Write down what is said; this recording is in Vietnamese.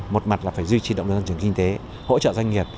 một mặt là phải duy trì động lực tăng trưởng kinh tế hỗ trợ doanh nghiệp